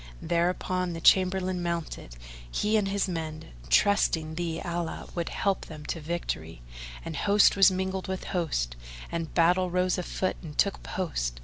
Thereupon the Chamberlain mounted, he and his men, trusting thee Allah would help them to victory; and host was mingled with host and battle rose a foot and took post.